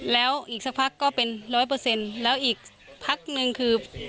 แล้วอีกสักพักก็เป็นร้อยเปอร์เซ็นต์แล้วอีกพักหนึ่งคือ